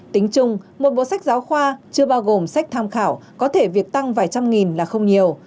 tính chung một bộ sách giáo khoa chưa bao gồm sách tham khảo có thể việc tăng vài trăm nghìn là không nhiều